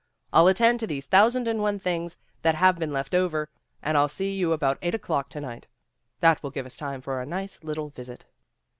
I'll attend to these thousand and one things that have been left over, and I'll see you about eight o 'clock to night. That will give us time for a nice little visit."